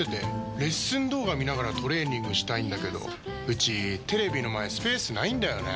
レッスン動画見ながらトレーニングしたいんだけどうちテレビの前スペースないんだよねー。